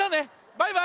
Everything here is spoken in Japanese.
バイバイ！